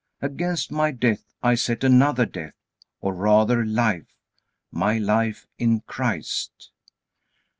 Against my death I set another death, or rather life, my life in Christ.